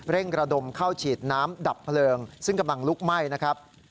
ระดมเข้าฉีดน้ำดับเพลิงซึ่งกำลังลุกไหม้นะครับ